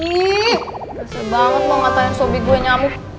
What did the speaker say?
ih kasian banget mau ngatain sobik gue nyamuk